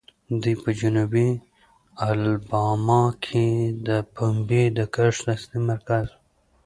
دوی په جنوبي الاباما کې د پنبې د کښت اصلي مرکز وو.